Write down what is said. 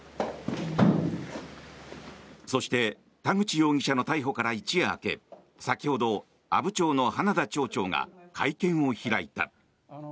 そして田口容疑者の逮捕から一夜明け先ほど阿武町の花田町長が会見を開いた。